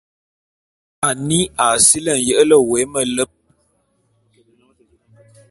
Annie a sili nyele wé meleb.